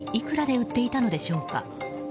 １枚いくらで売っていたのでしょうか。